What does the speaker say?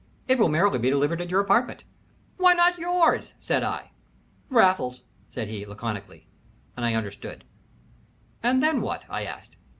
It will merely be delivered at your apartment." "Why not yours?" said I. "Raffles!" said he, laconically, and I understood. "And then what?" I asked.